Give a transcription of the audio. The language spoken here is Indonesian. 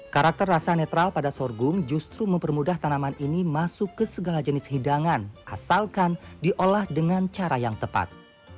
karakter rasa netral pada sorghum justru mempermudah tanaman ini masuk ke segala jenis hidangan asalkan diolah dengan cara yang tepat